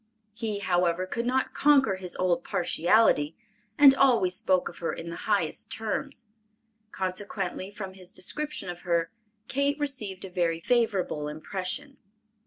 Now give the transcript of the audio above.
He, however, could not conquer his old partiality, and always spoke of her in the highest terms. Consequently, from his description of her, Kate received a very favorable impression.